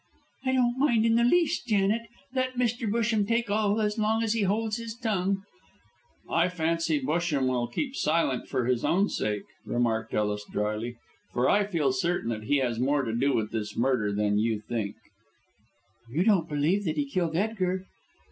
"I don't mind in the least, Janet. Let Mr. Busham take all so long as he holds his tongue." "I fancy Busham will keep silent for his own sake," remarked Ellis, drily, "for I feel certain that he has more to do with this murder than you think." "You don't believe that he killed Edgar?"